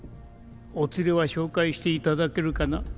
お連れは紹介していただけるかな？